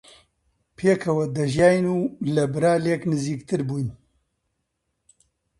پێکەوە دەژیاین و لە برا لێک نزیکتر بووین